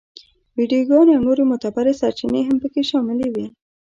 ویډیوګانې او نورې معتبرې سرچینې هم په کې شاملې وې.